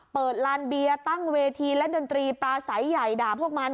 ลานเบียร์ตั้งเวทีและดนตรีปลาใสใหญ่ด่าพวกมัน